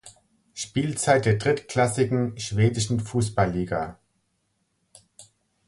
Spielzeit der drittklassigen schwedischen Fußballliga.